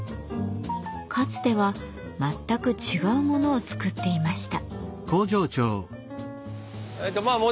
かつては全く違うものを作っていました。